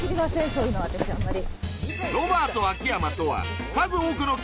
そういうの私あんまり。